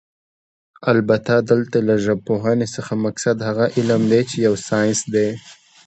البته دلته له ژبپوهنې څخه مقصد هغه علم دی چې يو ساينس دی